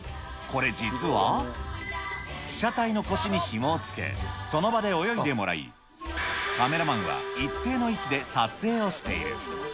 これ、実は、被写体の腰にひもをつけ、その場で泳いでもらい、カメラマンは一定の位置で撮影をしている。